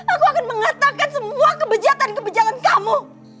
aku akan mengatakan semua kebijakan kebijakan kamu